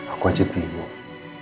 aku aja bingung